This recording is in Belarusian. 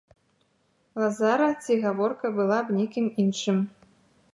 Лазара, ці гаворка была аб некім іншым.